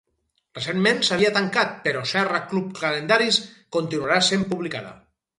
Recentment s'havia tancat, però Serra Club Calendaris continuarà sent publicada.